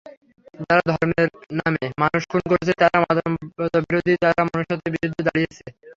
যারা ধর্মের নামে মানুষ খুন করছে তারা মানবতাবিরোধী, তারা মনুষ্যত্বের বিরুদ্ধে দাঁড়িয়েছে।